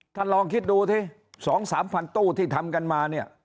ท่านลองคิดดูที่สองสามพันตู้ที่ทำกันมาเนี่ย